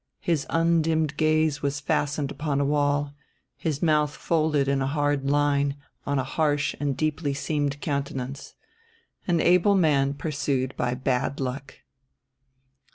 His undimmed gaze was fastened upon a wall, his mouth folded in a hard line on a harsh and deeply seamed countenance. An able man pursued by bad luck.